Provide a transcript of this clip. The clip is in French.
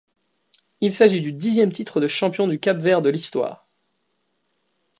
Il s'agit du dixième titre de champion du Cap-Vert de l’histoire du club.